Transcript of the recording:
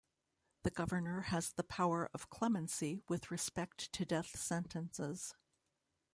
The governor has the power of clemency with respect to death sentences.